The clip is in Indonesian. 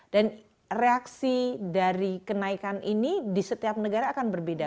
dan reaksi dari kenaikan ini di setiap negara akan berbeda